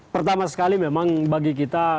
pertama sekali memang bagi kita